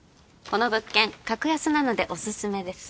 この物件格安なのでオススメです